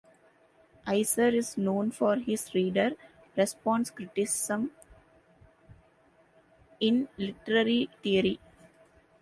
Iser is known for his reader-response criticism in literary theory.